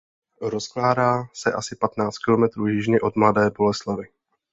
Rozkládá se asi patnáct kilometrů jižně od Mladé Boleslavi.